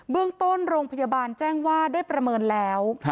เรื่องต้นโรงพยาบาลแจ้งว่าได้ประเมินแล้ว